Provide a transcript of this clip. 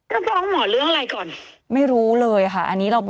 ก็ฟ้องหมอเรื่องอะไรก่อนไม่รู้เลยค่ะอันนี้เรา